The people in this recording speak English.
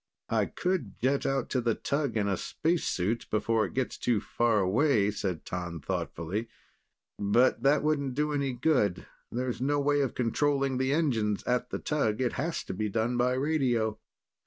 "I could jet out to the tug in a spacesuit, before it gets too far away," said T'an thoughtfully. "But that wouldn't do any good. There's no way of controlling the engines, at the tug. It has to be done by radio."